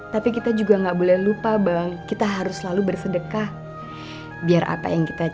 yang penting niat kita ibadah pada allah sesuai dengan kemampuan kita